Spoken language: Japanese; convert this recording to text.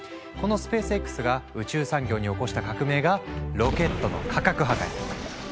このスペースＸが宇宙産業に起こした革命がロケットの価格破壊。